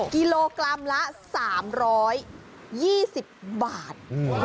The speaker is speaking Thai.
กิโลกรัมละ๓๒๐บาท